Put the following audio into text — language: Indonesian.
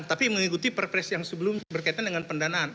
tapi mengikuti perpres yang sebelumnya berkaitan dengan pendanaan